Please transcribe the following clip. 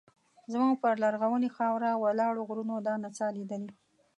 زموږ پر لرغونې خاوره ولاړو غرونو دا نڅا لیدلې.